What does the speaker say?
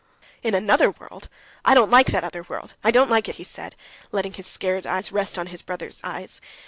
"In another world! Ah, I don't like that other world! I don't like it," he said, letting his scared eyes rest on his brother's eyes.